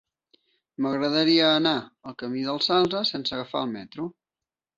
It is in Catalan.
M'agradaria anar al camí del Salze sense agafar el metro.